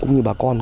cũng như bà con